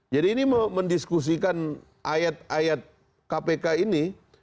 jadi ini mendiskusikan ayat ayat kpk ini